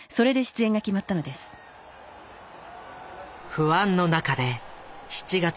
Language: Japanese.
不安の中で７月１３日